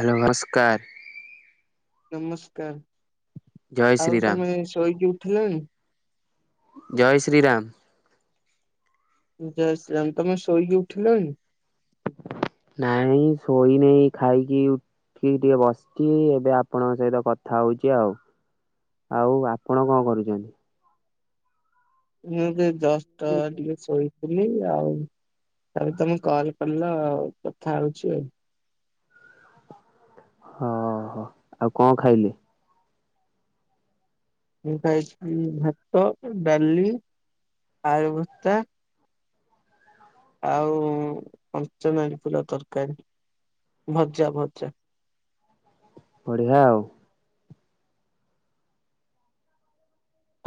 Hello, ନମସ୍କାର। ନମସ୍କାର, ଜୟ ଆଉ ଶ୍ରୀରାମ ତମେ ଶୋଇକି ଉଠିଲଣି? ଜୟ ଶ୍ରୀ ରାମ। ଜୟ ଶ୍ରୀ ରାମ, ତମେ ଶୋଇକି ଉଠିଲଣି? ନାଇଁ, ଶୋଇନାହିଁ ଖାଇକି ଠିକି ଟିକେ ବସିଛି, ଏବେ ଆପଣଙ୍କ ସହିତ କଥା ହଉଛି ଆଉ। ଆଉ, ଆପଣ କଣ କରୁଛନ୍ତି? ମୁଁ ଏବେ ଜଷ୍ଟ ଟିକେ ଶୋଇ ଥିଲି ଆଉ ତାପରେ ତମେ କଲ ଆଉ କଥା ହଉଛି ଆଉ। ହଁ, ହୋ ଆଉ କଣ ଖାଇଲେ? ମୁଁ ଖାଇଲି ଭାତ, ଡାଲି, ଆଳୁ ଭର୍ତ୍ତା। ଆଉ, ପଞ୍ଚନାରୀ ଫୁଲ ତରକାରୀ। ଭଜା ଭଜା। ବଢିଆ ଆଉ।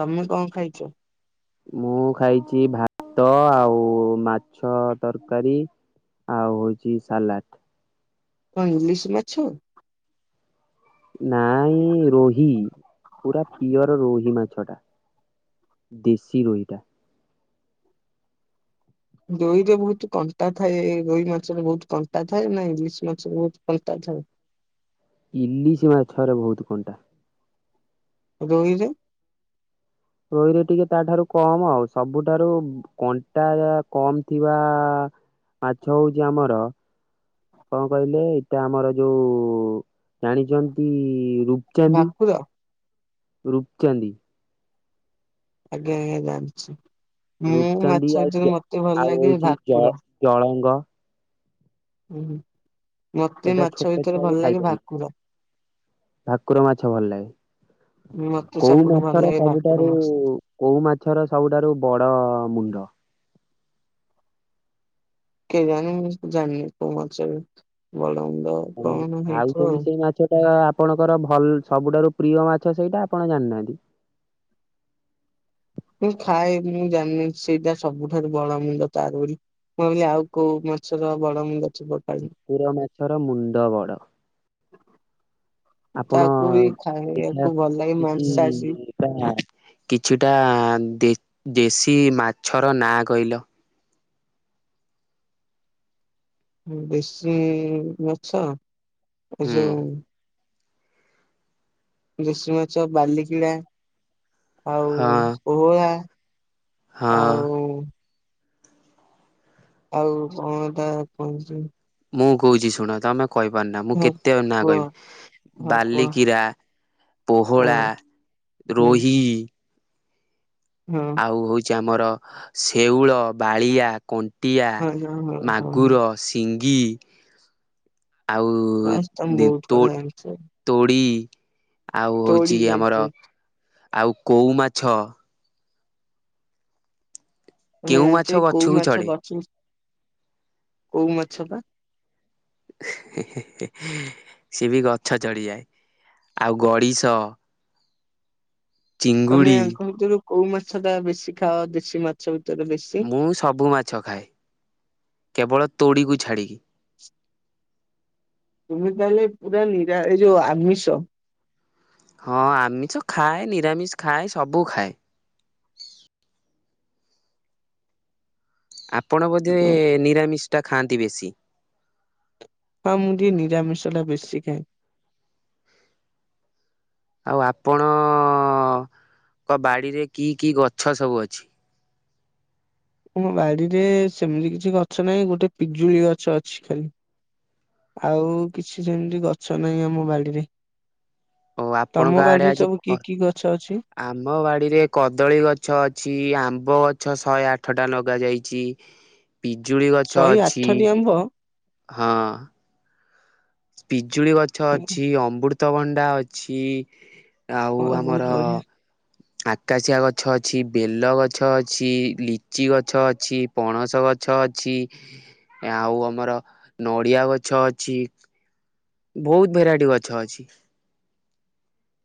ତମେ କଣ ଖାଇଛ? ମୁଁ ଖାଇଛି ଭାତ ଆଉ ମାଛ ତରକାରୀ। ଆଉ ହଉଛି ସାଲାଟ। କଣ ଇଂଲିଶ ମାଛ? ନାଇଁ ରୋହି ପୁରା ପିଓର ରୋହି ମାଛ ଟା। ଦେଶୀ ରୋହିଟା। ଦୋଇରେ ବହୁତ କଣ୍ଟା ଥାଏ ରଈ ମାଛରେ ବହୁତ କଣ୍ଟା ଥାଏ ନା ଇଲିଶ ମାଛ ବହୁତ କଣ୍ଟା ଥାଏ। ଇଲିଶି ମାଛଆର ବହୁତ କଣ୍ଟା। ରୋହି ରେ? ରୋହିରେ ଟିକେ ତା ଠାରୁ କମ ଆଉ ସବୁଠାରୁ କଣ୍ଟା କମ୍ ଥିବା ମାଛ ହଉଛି ଆମର କଣ କହିଲେ ଏଇଟା ଆମର ଯୋଉ ଜାଣିଛନ୍ତି ରୂପଚାନ୍ଦି ଭାକୁର ରୁପଚାନ୍ଦି? ଆଜ୍ଞା, ଆଜ୍ଞା, ଜାଣିଛି। ମୁଁ ରୂପଚାନ୍ଦି ମାଛ ଆଉ ଭିତରେ ଜ ମତେ ଭଲ ଆଉ ଲାଗେ, ହଉଛି ଜ ଭାକୁର ଜଳଙ୍ଗ ହୁଁ ମତେ ସେଇଟା ମାଛ ଛୋଟ ଭିତରେ ଛୁଆ ବି ଭଲ ଲାଗେ, ଖାଇପାରିବେ ଭାକୁର ଭାକୁର ମାଛ ଭଲ ଲାଗେ। ମତେ କୋଉ ସବୁଠୁ ଭଲ ମାଛର ଲାଗେ ଭାକୁର ସବୁଠାରୁ, ମାଛ। କଉ ମାଛର ସବୁଠାରୁ ବଡ ମୁଣ୍ଡ? କେଜାଣି ମୁଁ ଜାଣିନି, କଉ ମାଛର ବ ଆପଣ ଖାଉଛନ୍ତି ସେଇ ମାଛ ଟା ଆପଣଙ୍କର ଭଲ ସବୁଠାରୁ ପ୍ରିୟ ମାଛ ସେଇଟା, ଆପଣ ଜାଣିନାହାନ୍ତି? ମୁଁ ଖାଏ ମୁଁ ଜାଣିନି, ସେଇଟା ସବୁଠାରୁ ବଡ ମୁଣ୍ଡ ତାର ବୋଲି ମୁଁ ବୋଲିିଲି ଆଉ କୋଉ ମଛର ବଡ ମୁଣ୍ଡ। ଥିବ କାଳେ। ଭାକୁର ମାଛର ମୁଣ୍ଡ ବଡ। ଆପଣ ତାକୁ ବି ଦେଖିବା ଖାଇବାକୁ ଭଲ ଲାଗେ କିଛି ମାଂସାଶୀ। ବା କିଛିଟା ଦେଶୀ ମାଛର ନାଁ କହିଲ? ଦେଶୀ ମାଛ, ହୁଁ। ଏଇଯୋଉ ଦେଶୀ ମାଛ -ବାଲିିକିଣା ଆଉ ହଁ ପୋହଳା। ହଁ ଆଉ ଆଉ କଣ ତ କହ? ମୁଁ କହୁଛି ଶୁଣ -ତମେ କହିପାରୁ ନା ମୁଁ ହଁ କେତେ ନାଁ କୁହ କହିବି, ହଁ କୁହ ବାଲିକିରା ହଁ ପୋହଳା, ହୁଁ ରୋହି ହଁ ଆଉ ହଉଛି ଆମର, ଶେଉଳ, ବାଳିଆ, କଣ୍ଟ ପଟିଆ, ହଁ ହଁ ହଁ ହଁ ହଁ। ମାଗୁର, ସିଙ୍ଗି ଆଉ ବାସ୍ ତମେ ବହୁତ ତୋ କଥା ଜାଣିଛ ତୋଡ଼ି ଆଉ ତୋଡି ହଉଛି ଯାଇଛ ଆମର- ଆଉ କଉ ମାଛ। ତମେ କେଉଁ ମାଛ ଜାଣିଛ, କୋଉ ଗଛକୁ ମାଛ ଚଢେ? ଗଛ, କୋଉ ମାଛ ପା। ସି ବି ଗଛ ଚଢିଯାଏ। ଆଉ ଗଡ଼ିଶ ତମେ ଆଙ୍କ ଭିତରୁ କୋଉ ମାଛ ଟା ବେଶୀ ଖାଅ, ଦେଶୀ ମାଛ ଭିତ ମୁଁ ସବୁ ମାଛ ଖାଏ, କେବଳ ତୋଡ଼ିକୁ ଛାଡ଼ିକି [inaudible] ତୁମି ତାହଲେ ପୁରା, ନିରା ଯଉ ଆମିଶ ହଁ ଆମିଷ ଖାଏ, ନିରାମିଷ ଖାଏ, ସବୁ ଖାଏ ଆପଣ ବୋଧେ ନିରାମିଷ ଟା ଖାଆନ୍ତି ବେଶୀ ମୁଁ ଟିକେ ନିରାମଷଟା ବେଶି ଖାଏ। ଆଉ ଆପଣ? କ ବାଡିରେ କି କି ଗଛ ସବୁ ଅଛି? ମୋ ବାଡିରେ ସେମିତି କିଛି ଗଛ ନାହିଁ, ଗୋଟେ ପିଜୁଳି ଗଛ ଅଛି ଖାଲି। ଆଉ କିଛି ଯେମିତି ଗଛ ନାହିଁ, ଆମ ବାଡିରେ ଓ ଆପଣଙ୍କ ତମ ଆଡେ ବାଡିରେ ଆଜି ସବୁ ଖ କି କି ଗଛ ଅଛି? ଆମ ବାଡିରେ କଦଳୀ ଗଛ ଅଛି ଆମ୍ବ ଗଛ ଶହେ ଆଠଟା ଲଗାଯାଇଛି, ପିଜୁଳି ଗଛ ଶହେ ଅଛି। ଆଠଟି ଆମ୍ବ ହଁ ପିଜୁଳି ଗଛ ଅଛି, ଅମୃତଭଣ୍ଡା ଅଛି। ଆଉ ଆମର ବହୁତ ବଢିଆ। ଆକାଶିଆ ଗଛ ଅଛି, ବେଲ ଗଛ ଅଛି, ଲିଚି ଗଛ ଅଛି, ପଣସ ଗଛ ଗଛ ଅଛି ଆଉ ଆମର ନଡିଆ ଗଛ ଅଛି। ବହୁତ ଭେରାଇଟି ଗଛ ଅଛି।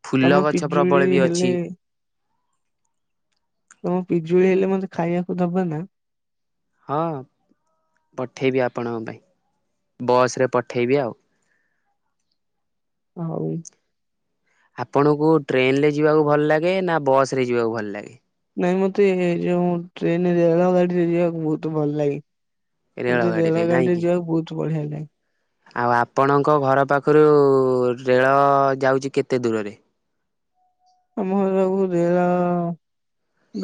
ଫୁଲ ତମ ଗଛ ପିଜୁଳି ପ୍ରବଳ ବି ହେଲେ ଅଛି। ତମ ପିଜୁଳି ହେଲେ ମତେ ଖାଇବାକୁ ଦବ ନା? ହଁ ପଠେଇବି ଆପଣଙ୍କ ପାଇଁ, ବସରେ ପଠେଇବି ଆଉ ହଉ। ଆପଣଙ୍କୁ ଟ୍ରେନ ରେ ଯିବାକୁ ଭଲ ଲାଗେ! ନା ବସ ରେ ଯିବାକୁ ଭଲ ଲାଗେ? ମତେ ଏଇ ଯୋଉ ଟ୍ରେନ ରେଳ ଗାଡିରେ ଯିବାକୁ ବହୁତ ଭଲ ଲାଗେ କିନ୍ତୁ ରେଳଗାଡିରେ ନାଇଁ ରେଲାଗାଡ଼ିରେ କି ଯିବା ବହୁତ ବଢିଆ ଲାଗେ। ଆଉ ଆପଣଙ୍କ ଘର ପାଖରୁ ରେଳ ଯାଉଛି କେତେ ଦୂରରେ? [inaudible] ଆମ ଘରୁ ରେଳ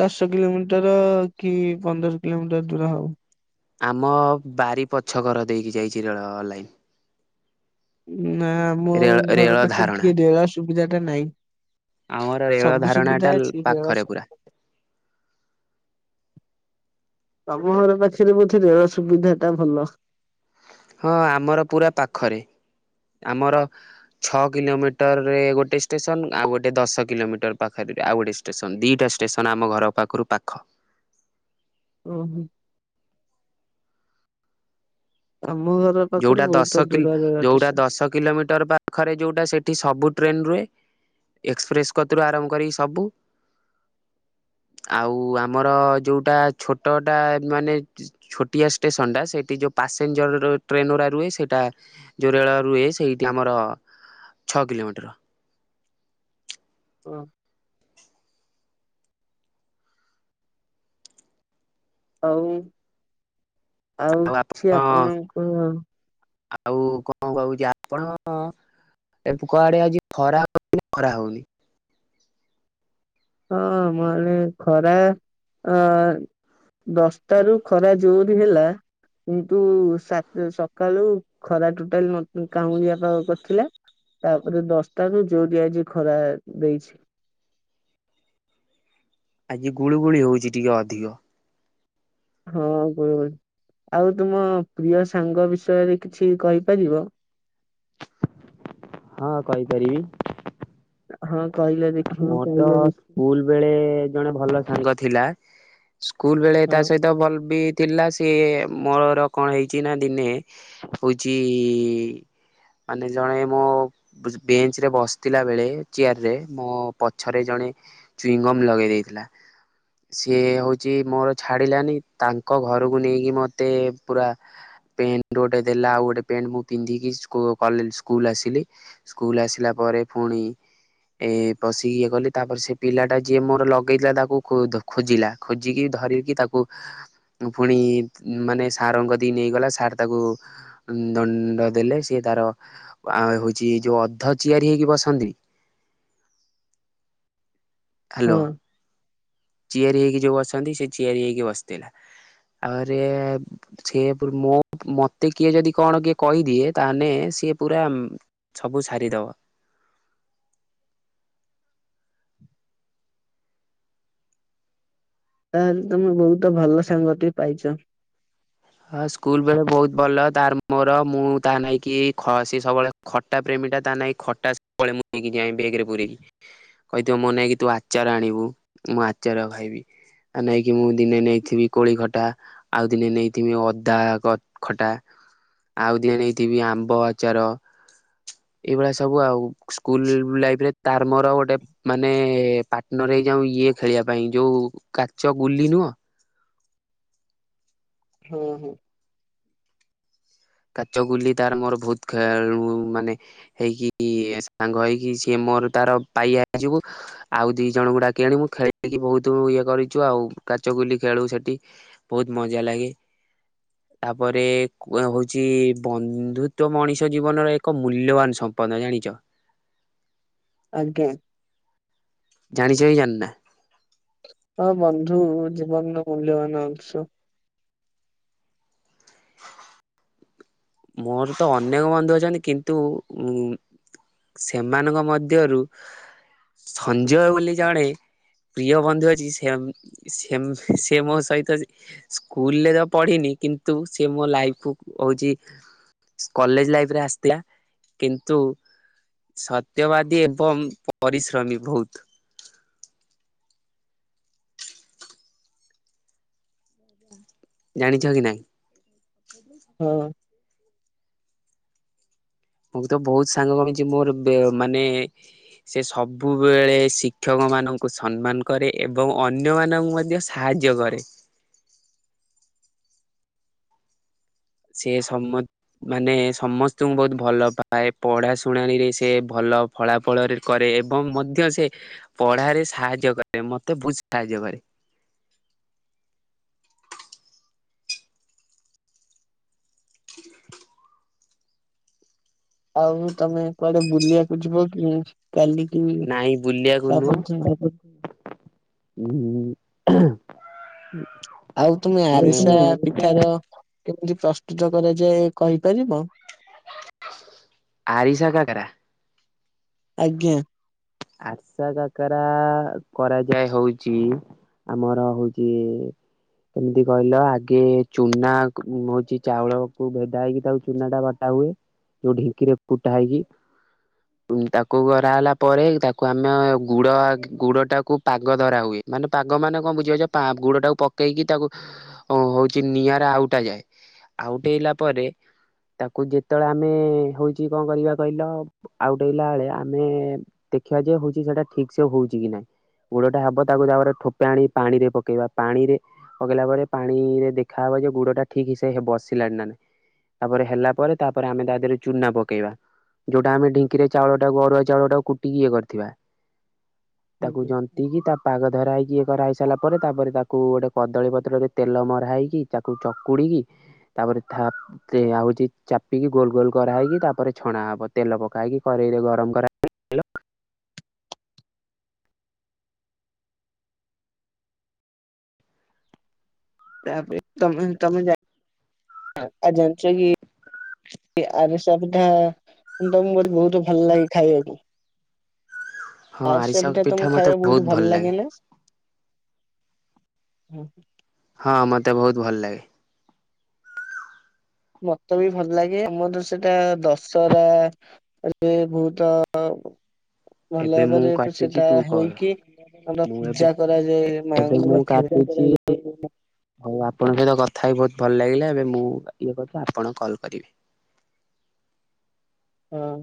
ଦଶ କିଲୋମିଟର କି ପନ୍ଦର କିଲୋମିଟର ଦୂର ହଉ। ଆମ ବାରି ପଛ ଘର ଦେଇକି ଯାଇଛି ରେଳ ଲାଇନ। ନା ଆମ ରେଳ ରେଳ ଘର ପାଖରେ ଧାରଣା ଟିକେ ଦେଳ ସୁବିଧା ଟା ନାଇ। ଆମର ରେଳ ଧାରଣା ଟା ରେଳ ପାଖରେ ସୁ ପୁରା। [inaudible] ତମ ଘର ପାଖରେ ବୋଧେ ରେଳ ସୁବିଧା ଟା ଭଲ! ହଁ ଆମର ପୁରା ପାଖରେ ଆମର ଛଅ କିଲୋମିଟରରେ ଗୋଟେ ଷ୍ଟେସନ ଆଉ ଗୋଟେ ଦଶ କିଲୋମିଟର ପାଖରେ ଆଉ ଗୋଟେ ଷ୍ଟେସନ, ଦିଟା ଷ୍ଟେସନ ଆମ ଘର ପାଖରୁ ପାଖ। ହୁ ହୁ। ଆମ ଘର ପାଖରୁ ଯୋଉଟା ବହୁତ ଦଶ ଦୂରରେ ଯୋଉଟା ଷ୍ଟେସନ ଦଶ କିଲୋମିଟର ପାଖରେ ଯୋଉଟା ସେଠି ସବୁ ଟ୍ରେନ୍ରୁ ଏକ୍ସପ୍ରେସ୍ କତରୁ ଆରମ୍ଭ କରିକି ସବୁ ଆଉ ଆମର ଯୋଉଟା ଛୋଟଟା ମାନେ ଛୋଟିଆ ଷ୍ଟେସନ ଟା ସେଇଠି ଯୋଉ ପାସେଞ୍ଜର ର ଟ୍ରେନ ଗୁଡ଼ା ରୁହେ, ସେଇଟା ଜୋରେଳ ରୁହେ ସେଇଠି ଆମର ଛଅ କିଲୋମିଟର। ହଁ ଆଉ ଆଉ କିଛି ଆପଣଙ୍କ ଆଉ କଣ କହୁଛି ଆପଣ ଏ ପୋକଆଡେ ଆଜି ଖରା ହଉଛି, ଖରା ହଉନି। ହଁ ମାନ ଖରା ଅ ଦଶଟ ର ଖରା ଯୋରି ହେଲା କିନ୍ତୁ ସକାଳୁ ଖରା ଟୋଟାଲ କାଉଁଳିଆ ପାଗ କରିଥିଲା ତାପରେ ଦଶଟାରୁ ଯୋଉରିଆଜି ଖରା ଦେଇଛି। ଆଜ୍ ଗୁଳିୁ ଗୁଳି ହଉଛି ଟିକେ ଅଧିକ। ହଁ ଗୁଳୁ ଗୁଳି ଆଉ ତୁମ ପ୍ରିୟ ସାଙ୍ଗ ବିଷୟରେ କିଛି କହିପାରିବ? ହଁ କହିପାରିବି। ହଁ କହିଲେ ଦେଖି ମୋ ତ ସ୍କୁଲ ବେଳେ ଜଣେ ଭଲ ସାଙ୍ଗ ଥିଲା ସ୍କୁଲ ବେଳେ ତା ହଁ ସହିତ ଭଲ ବି ଥିଲା ସେ ମୋର କଣ ହେଇଛି ନା ଦିନେ, ହଉଛି ମାନେ ଜଣେ ମୋ ବେଞ୍ଚ ରେ ବସିଥିଲା ବେଳେ ଚେୟାରରେ ମୋ ପଛରେ ଜଣେ ଚୁଇଁଙ୍ଗମ୍ ଲଗେଇ ଦେଇଥିଲା ସିଏ ହଉଛି ମୋର ଛାଡିଲାନି, ତାଙ୍କ ଘରକୁ ନେଇକି ମତେ ପୁରା ପ୍ୟାଣ୍ଟ ଗୋଟେ ଦେଲା ଆଉ ଗୋଟେ ପଣ୍ଟ ମୁଁ ପିନ୍ଧିକି ସ୍କୁଲ ଆସିଲି ସ୍କୁଲ ଆସିଲି, ପରେ ପରେ ପୁଣି ଏ ପଶିକି ଇଏ କଲି ତାପରେ ସେ ପିଲା ଟା ଯିଏ ମୋର ଲଗେଇଥିଲା, ତାକୁ ଖୋଜିଲା ଖୋଜିକି ଧ ରିକି, ତାକୁ ପୁଣି ମାନେ ସାରଙ୍କ ଦି ନେଇଗଲା ସାର୍ ତାକୁ ଦଣ୍ଡ ଦେଲେ, ସି ତାର ଆ ହଉଛି ଯୋଉ ଅଧ ଚିଆରି ହେଇକି ବସନ୍ତିନି ହ୍ୟାଲୋ ହଁ ଚିଆରି ହେଇକି ଯୋଉ ବସନ୍ତି ସେ ଚିଆରି ହେଇକି ବସିଥିଲା ଆହୁରେ ସେ ମୋ ମତେ କିଏ, ଯଦି କଣ କିଏ କହିଦିଏ ତାହେଲେ ସଏ ପୁରା ସବୁ ସାରିଦବ। ତାହେଲେ ତମେ ବହୁତ ଭଲ ସାଙ୍ଗଟି ପାଇଛ। ହଁ ସ୍କୁଲ ବେଳେ ବହୁତ ଭଲ, ତାର ମୋର ମୁଁ ତାହା ନହିଁ କି ସ ସବୁବେଳେ ଖଟା ପ୍ରେମ ମୁଁ ପା ତା ନାକି ଖଟାକୋଳି ମୁଁ ନେଇକି ଯାଏ ବେଗେରେ ପୁରେଇକି। କହିଥିବ ମୋ ନାକି ତୁ ଆଚାର ଆଣିବୁ। ମୁଁ ଆଚାର ଖାଇବି? ଆ ନେଇକି ମୁଁ ଦିନେ ନେଇଥିନି କୋଳି ଖଟା। ଆଉ ଦିନେ ନେଇ ଦିନେ ଅଦା ଗ ଖଟା ଆଉ ଦିନ ନେଇଥିବି ଆମ୍ବ ଆଚାର। ଏଇଭଳିଆ ସବୁ ଆଉ ସ୍କୁଲ ଲୁ ଲାଇରେ ତାର ମୋର ଗୋଟେ ମାନେ ପାଟନର ହେ ଯାଉ ଇଏ ଖେଳିବା ପାଇଁ ଯୋଉ କାଚ ଗୁଲି ନୁହଁ। ହଁ ହଁ। କାଚ ଗୁଲି ତାର ମୋର ବହୁତ ଖେଳୁ ମାନେ ହେଇକି ସାଙ୍ଗ ହେଇକି। ସିଏ ମୋର ତାର ପାଇଆ ହେଇଯିବୁ। ଆଉ ଦି ଜଣଙ୍କୁ ଡାକି ଆଣିମୁ ଖେଳିକି ବହୁତ ଇଏ କରିଛୁ ଆଉ। କାଚଗୁଲି ଖେଳୁ ସେଠି ବହୁତ ମଜା ଲାଗେ। ତାପରେ କୁ ହଉ ଚି ବନ୍ଧୁତ୍ୱ ମଣିଷ ଜୀବନର ଏକ ମୂଲ୍ୟବାନ ସମ୍ପଦ ଜାଣିଚ? ଆଜ୍ଞା। ଜାଣିଛ ବି ଜାଣିନା। ହଁ ବନ୍ଧୁ ଜୀବନର ମୂଲ୍ୟବାନ ଅଂଶ। ମୋର ତ ଅନେକ ବନ୍ଧୁ ଅଛନ୍ତି। କିନ୍ତୁ ଉଁ ସେମାନଙ୍କ ମଧ୍ୟରୁ ସଞ୍ଜୟ ବୋଲି ଜଣେ ପ୍ରିୟ ବନ୍ଧୁ ଆଜି ସେମ ସେମ ସେ ମୋ ସହିତ ସ୍କୁଲରେ ତ ପଢିନି। କିନ୍ତୁ ସେ ମୋ ଲାଇଫ କୁ ହଉଛି କଲେଜ ଲାଇଫ ରେ ଆସିଥିଲା। କିନ୍ତୁ ସତ୍ୟବାଦୀ ଏବଂ ପରିଶ୍ରମୀ ଭୋହୁତ। ଜାଣିଛ କି ନାଇଁ। ହଁ। ମୁଁ ତ ବହୁତ ସାଙ୍ଗ କରିଚି ମୋର ବେ ମାନେ ସେ ସବୁବେଳେ ଶିକ୍ଷକ ମାନଙ୍କୁ ସମ୍ମାନ କରେ। ଏବଂ ଅନ୍ୟ ମାନଙ୍କୁ ମଧ୍ୟ ସାହା ଯ୍ୟ କରେ। ସେ ସମତ ମାନେ ସମସ୍ତଙ୍କୁ ବହୁତ ଭଲ ପାଏ। ପଢା ଶୁଣାଣିରେ ସେ ଭଲ ଭଲ ଫଳାଫଳରେ କରେ। ଏବଂ ମଧ୍ୟ ସେ ପଢ଼ାରେ ସାହାଯ୍ୟ କରେ ମତେ ବୁଝ ସାହାଯ୍ୟ କରେ। ରେ। ଆଉ ତମେ କୁଆଡେ ବୁଲିବାକୁ ଯିବ କି? କାଲି କି ନାଇଁ ତା ପରଦିନ? ବୁଲିବାକୁ ନୁହଁ। ହୁଁ। ହଁ। ଆଉ ତୁମେ ଆରିସା ପିଠାର ତି ପ୍ରସ୍ତୁତ କରାଯାଏ କହିପାରିବ? ଆରିଷା କାକରା। ଆଜ୍ଞା। ଆରର୍ଶା କାକରା କରାଯାଏ। ହଉଛି ଆମର ହଉଚି। କେମିତି କହିଲ ଆଗେ ଚୁନା କୁ ହଉଛି ଚାଉଳକୁ ଭେଦା ହେଇକି ତାକୁ ଚୁନା ଟା ବଟା ହୁଏ। ଯୋଉ ଢିଙ୍କିରେ କୁଟା ହେଇକି ତାକୁ ଗରା ହେଲା ପରେ। ତାକୁ ଆମେ ଗୁଡ ଗୁଡ ଟାକୁ ପାଗ ଧରା ହୁଏ। ମାନେ ପାଗ ମାନେ କଣ ବୁଝିପାରୁଛ ପା ଗୁଡଟାକୁ ପକେଇକି ତାକୁ ହଉଛି ନିଆଁରେ ଆଉଟା ଯାଏ। ଆଉଟେଇଲା ପରେ ତାକୁ ଯେତେବେଳେ ଆମେ ହଉଛି କଣ କରିବା କହିଲ ଆଉଟେଇଲା ବେଳେ। ଆମେ ଦେଖିବା ଯେ ହଉଛି ସେଟା ଠିକ ସେ ହଉଛି କି ନାଇଁ। ଗୁଡଟା ହବ ତାକୁ ତାପରେ ଠୋପେ ଆଣି ପାଣିରେ ପକେଇବା ପାଣିରେ ପକେଇଲା ପରେ ପାଣିରେ ଦେଖା ଗୁଡ଼ ଟା ଠିକଇସେ ସେ ବସିଲାଣି ନା ନାହିଁ। ତାପରେ ହେଲା ପରେ ତାପରେ ଆମେ ତା ଦେହରେ ଚୁନା ପକେଇବା। ଯୋଉଟା ଆମେ ଢିଙ୍କିରେ ଚାଉଳ ଟାକୁ ଅରୁଆ ଚାଉଳ ଟାକୁ କୁ ଇଏ କରିଥିବା ତାକୁ ଜନ୍ତିକି ତା ପାଗ ଧରା ହେଇକି ଇ କରା ହେଇ ସାରିଲ ପରେ ତାପରେ ତାକୁ ଗୋଟେ କଦଳୀ ପତ୍ରରେ ତେଲ ମରା ହେଇକି। ତାକୁ ଚକୁଡିକି ତାପ ଥା ହଉଛି ଚାପିକି ଗୋଲ ଗୋଲ କରାହେଇକି। ତାପରେ ଛଣା ହବ ତେଲ ପକା ହେଇକି କରରେଇରେ ଗରମ କରାଯା ତାପରେ, ତମେ ତମେ ଯାଇ ଆଜନ୍ସ କି [unintelligible] ଚା ପିଠା, ତ ମୁ ବହୁତ ଭଲ ଲାଗେ ଖାଇବାକୁ। ଆରିସା ପିଠା ତମକୁ ଖାଇବା ବହୁତ ଭଲ ଲାଗେ ନା ହୁଁ ହ [inaudible] ହଁ ମତେ ବହୁତ ଭଲ ଲାଗେ। ମତେ ବି ଭଲ ଲାଗେ, ଆମର ସେଟା ଦଶହରା ବହୁତ ଭଲ ଏବେ ମୁଁ ଭାବରେ କାଟୁଛି, ସେଟା ତୁ କର। ହୋଇକି ଆମର ମୁଁ ଏବେ, ପୂଜା କରାଯାଏ ଏବେ ମାଙ୍କ ମୁଁ ପାଖରେ କାଟୁଛି। ହଉ ଆପଣଙ୍କ ସହିତ କଥା ହେଇକିବହୁତ ଭଲ ଲାଗିଲା ଏବେ ମୁଁ ଇଏ କଛି ଆପଣ କଲ୍ କରିଵେ। [inaudible] ହଁ